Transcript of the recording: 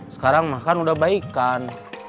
sekarang mah kan udah baikan